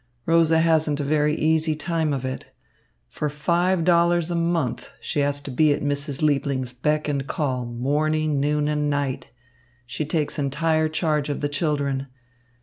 Rosa hasn't a very easy time of it. For five dollars a month she has to be at Mrs. Liebling's beck and call morning, noon and night. She takes entire charge of the children.